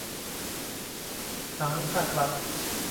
ทั้งภาครัฐ